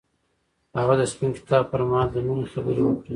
هغه د سپین کتاب پر مهال د مینې خبرې وکړې.